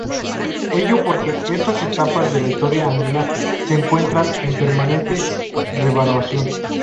Ello porque estas etapas de la historia andina se encuentran en permanente revaluación.